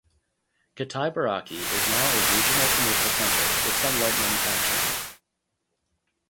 Kitaibaraki is now a regional commercial center with some light manufacturing.